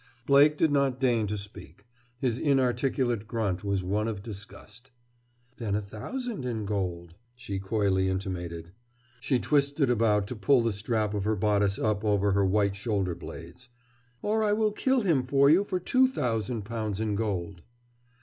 Blake did not deign to speak. His inarticulate grunt was one of disgust. "Then a thousand, in gold," she coyly intimated. She twisted about to pull the strap of her bodice up over her white shoulder blades. "Or I will kill him for you for two thousand pounds in gold!"